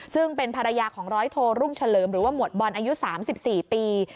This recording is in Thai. ซึ่งเป็นภรรยาของร้อยโทรุ่งเฉลิมหรือว่าหมวดบอลอายุ๓๔ปี